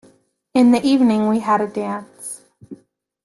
In the evening we had a dance.